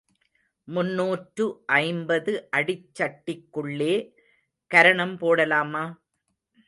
முன்னூற்று ஐம்பது அடிச்சட்டிக்குள்ளே கரணம் போடலாமா?